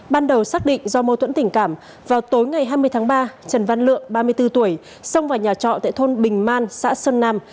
ban đầu xác định do mâu thuẫn tình cảm vào tối ngày hai mươi tháng ba trần văn lượng ba mươi bốn tuổi xông vào nhà trọ tại thôn bình man xã sơn nam